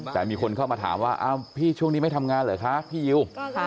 แต่มีคนเข้ามาถามว่าพี่ช่วงนี้ไม่ทำงานเหรอคะพี่ยิว